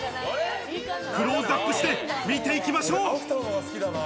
クローズアップしてみていきましょう。